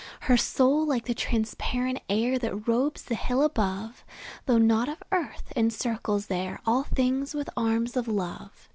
Her soul, like the transparent air That robes the hills above, Though not of earth, encircles there All things with arms of love.